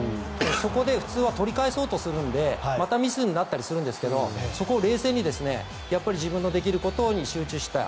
そこで普通は取り返そうとするのでまたミスになったりするんですがそこを冷静にやっぱり自分のできることに集中した。